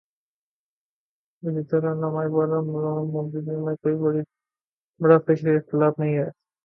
اسی طرح علامہ اقبال اور مو لا نا مو دودی میں کوئی بڑا فکری اختلاف نہیں ہے۔